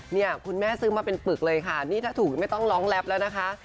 เนี่ยคุณแม่ซื้อมาเป็นปึกเลยค่ะนี่ถ้าถูกไม่ต้องร้องแรปแล้วนะคะ